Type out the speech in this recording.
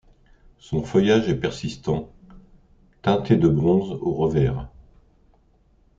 Son feuillage est persistant, teinté de bronze au revers.